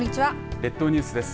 列島ニュースです。